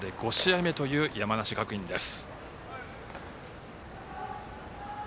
今日で５試合目という山梨学院です。